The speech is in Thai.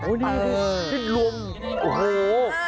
โอ้นี่มันรวมโอ้โห